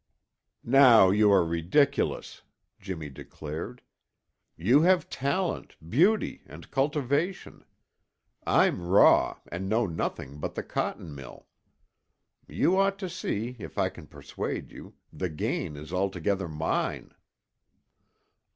"Now you are ridiculous!" Jimmy declared. "You have talent, beauty, and cultivation: I'm raw and know nothing but the cotton mill. You ought to see, if I can persuade you, the gain is altogether mine."